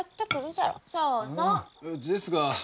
ですが。